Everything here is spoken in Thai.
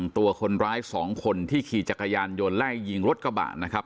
ตัวคนร้าย๒คนที่ขี่จักรยานยนต์ไล่ยิงรถกระบะนะครับ